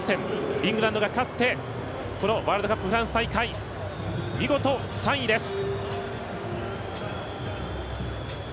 イングランドが勝ってこのワールドカップフランス大会見事３位です。